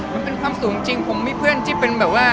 มันเป็นความสุขจริงผมมีเพื่อนที่เป็นแบบว่า